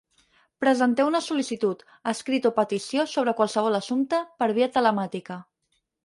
Presenteu una sol·licitud, escrit o petició sobre qualsevol assumpte, per via telemàtica.